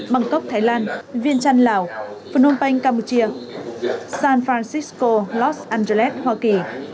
bangkok thái lan vientiane lào phnom penh campuchia san francisco los angeles hoa kỳ